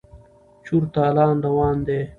چور تالان روان دی.